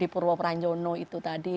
di purwok ranjono itu tadi